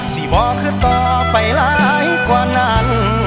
ที่บอกคือต่อไปหลายกว่านั้น